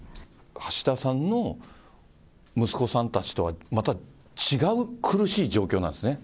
橋田さんの息子さんたちとは、また違う苦しい状況なんですね。